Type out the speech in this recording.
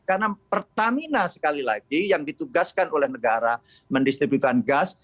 karena pertamina sekali lagi yang ditugaskan oleh negara mendistribuikan gas